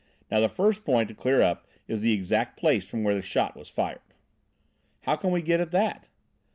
Now, the first point to clear up is the exact place from where the shot was fired." "How can we get at that?"